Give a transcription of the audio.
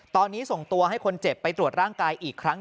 ตอนนี้ส่งตัวให้คนเจ็บไปตรวจร่างกายอีกครั้ง